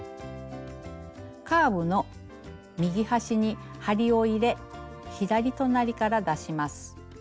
カーブの右端に針を入れ左隣から出します。